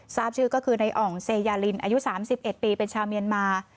ทราบชื่อก็คือในอ่องเซยาลินอายุ๓๑ปีเป็นชาวเมียนมา